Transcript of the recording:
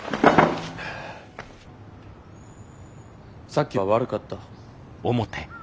さっきは悪かった。